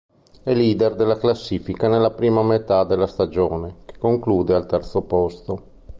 È leader della classifica nella prima metà della stagione, che conclude al terzo posto.